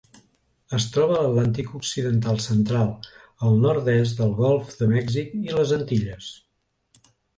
Es troba a l'Atlàntic occidental central: el nord-est del Golf de Mèxic i les Antilles.